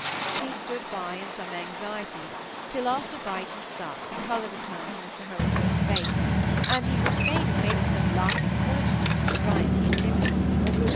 She stood by in some anxiety till, after bite and sup, the colour returned to Mr Holdsworth's face, and he would fain have made us some laughing apologies for the fright he had given us.